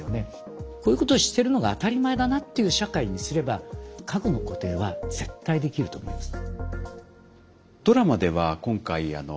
こういうことをしてるのが当たり前だなっていう社会にすれば家具の固定は絶対できると思います。